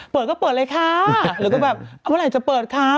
เปิดก็เปิดเลยค่ะหรือก็แบบเอาเมื่อไหร่จะเปิดครับ